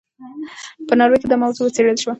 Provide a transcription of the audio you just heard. په ناروې کې دا موضوع وڅېړل شوه.